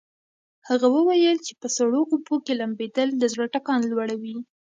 هغه وویل چې په سړو اوبو کې لامبېدل د زړه ټکان لوړوي.